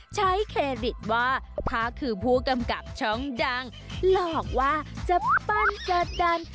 เครดิตว่าพระคือผู้กำกับช่องดังหลอกว่าจะปั้นกดดัน